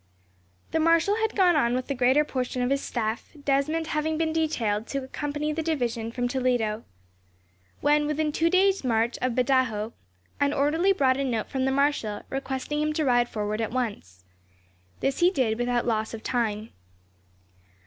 The marshal had gone on with the greater portion of his staff, Desmond having been detailed to accompany the division from Toledo. When within two days' march of Badajos, an orderly brought a note from the marshal, requesting him to ride forward at once. This he did without loss of time.